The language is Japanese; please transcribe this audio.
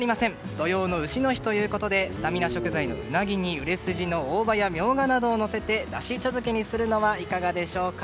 土用の丑の日ということでスタミナ食材のウナギに売れ筋の大葉やミョウガなどをのせて、だし茶漬けにするのはいかがでしょうか。